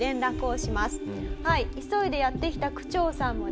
急いでやって来た区長さんもですね